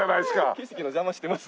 景色の邪魔してます。